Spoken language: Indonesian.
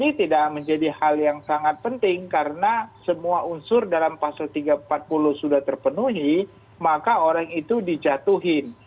ini tidak menjadi hal yang sangat penting karena semua unsur dalam pasal tiga ratus empat puluh sudah terpenuhi maka orang itu dijatuhin